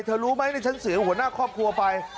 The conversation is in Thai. เธอรู้ไหมในชั้นเสือหัวหน้าครอบครัวไป